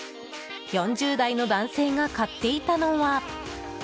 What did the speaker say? ４０代の男性が買っていたのは。